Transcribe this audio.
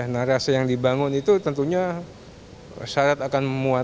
nah rasa yang dibangun itu tentunya syarat akan berubah